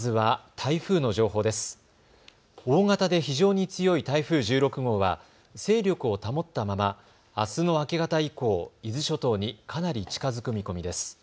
大型で非常に強い台風１６号は勢力を保ったままあすの明け方以降、伊豆諸島にかなり近づく見込みです。